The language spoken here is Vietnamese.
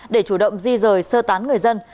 để chủ động di rời sơ tán người dân